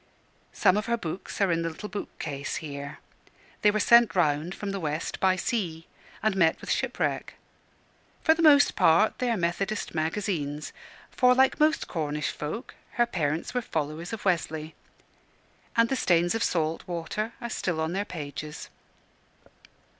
Some of her books are in the little bookcase here. They were sent round from the West by sea, and met with shipwreck. For the most part they are Methodist Magazines for, like most Cornish folk, her parents were followers of Wesley and the stains of the salt water are still on their pages.